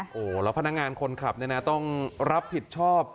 โอ้โหแล้วพนักงานคนขับเนี่ยนะต้องรับผิดชอบ